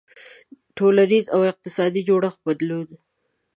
• د ټولنیز او اقتصادي جوړښت بدلون.